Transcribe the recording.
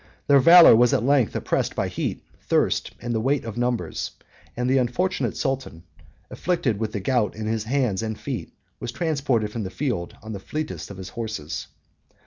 Their valor was at length oppressed by heat, thirst, and the weight of numbers; and the unfortunate sultan, afflicted with the gout in his hands and feet, was transported from the field on the fleetest of his horses.